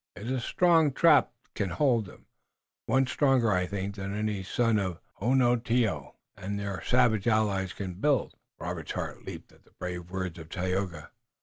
It is a strong trap that can hold them, one stronger, I think, than any the sons of Onontio and their savage allies can build." Robert's heart leaped up at the brave words of Tayoga.